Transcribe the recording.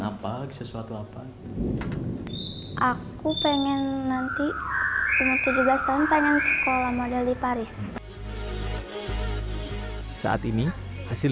apa sesuatu apa aku pengen nanti umur tujuh belas tahun pengen sekolah model di paris saat ini hasil